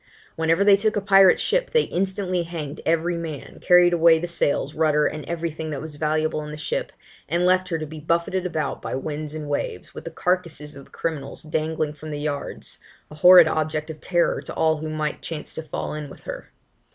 Whenever they took a pirate ship, they instantly hanged every man, carried away the sails, rudder, and everything that was valuable in the ship, and left her to be buffeted about by the winds and the waves, with the carcasses of the criminals dangling from the yards, a horrid object of terror to all who might chance to fall in with her.